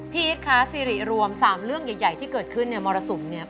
อีทคะสิริรวม๓เรื่องใหญ่ที่เกิดขึ้นเนี่ยมรสุมเนี่ย